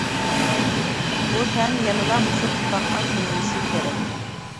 بۇ تەن يەنىلا مۇشۇ تۇپراققا كۆمۈلۈشى كېرەك.